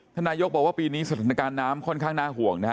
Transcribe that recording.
นายกบอกว่าปีนี้สถานการณ์น้ำค่อนข้างน่าห่วงนะฮะ